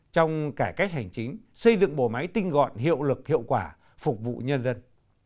trong cải cách hành chính xây dựng bộ máy tinh gọn hiệu lực hiệu quả phục vụ nhân dân